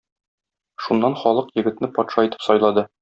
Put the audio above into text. Шуннан халык егетне патша итеп сайлады.